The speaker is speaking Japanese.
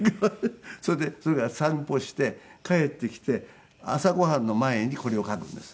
それでそれから散歩して帰ってきて朝ご飯の前にこれを書くんです